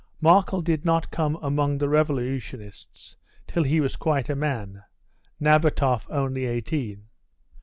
Markel did not come among the revolutionists till he was quite a man, Nabatoff only eighteen.